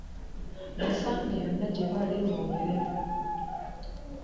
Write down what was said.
Basange yonna gye bali mwogeremu.